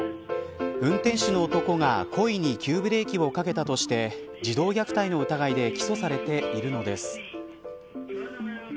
運転手の男が故意に急ブレーキをかけたとして児童虐待の疑いで起訴されているのです。